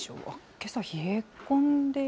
けさ、冷え込んで。